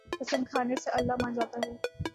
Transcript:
قسم کھانے سے اللہ مان جاتا ہے